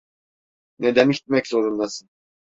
Neden gitmek zorundasın?